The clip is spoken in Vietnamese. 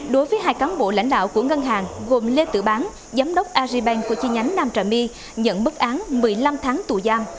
đối với hai cán bộ lãnh đạo của ngân hàng gồm lê tự bán giám đốc aribank của chi nhánh nam trà my nhận bức án một mươi năm tháng tù giam